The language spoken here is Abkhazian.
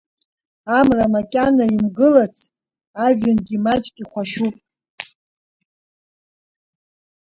Амра макьана имгылац, ажәҩангьы маҷк ихәашьуп.